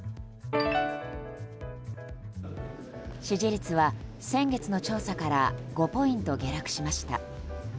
支持率は先月の調査から５ポイント下落しました。